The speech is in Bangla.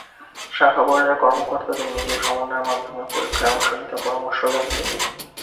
শাখা পর্যায়ে কর্মকর্তাদের নিজেদের সমন্বয়ের মাধ্যমে পরীক্ষায় অংশ নিতে পরামর্শ দেন তিনি।